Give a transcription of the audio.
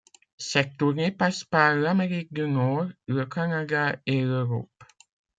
Cette tournée passe par L'Amérique du Nord, Le Canada et L'Europe.